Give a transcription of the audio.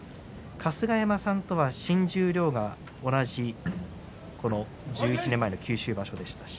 春日山さんとは新十両は同じ１１年前の九州場所でした。